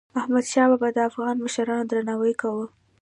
احمدشاه بابا د افغان مشرانو درناوی کاوه.